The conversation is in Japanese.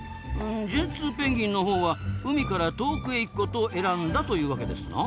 ジェンツーペンギンのほうは海から遠くへ行くことを選んだというわけですな。